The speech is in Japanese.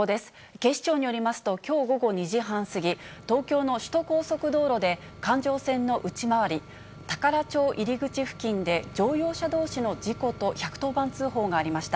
警視庁によりますと、きょう午後２時半過ぎ、東京の首都高速道路で、環状線の内回りたから町入口付近で乗用車どうしの事故と１１０番通報がありました。